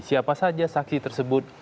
siapa saja saksi tersebut